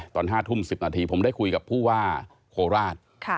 ตอน๕ทุ่ม๑๐นาทีผมได้คุยกับผู้ว่าโคราช